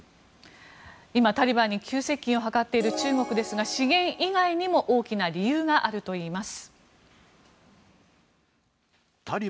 今、タリバンに急接近を図っている中国ですが資源以外にも大きな理由があるといいます。